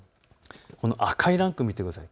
赤いランク、見てください。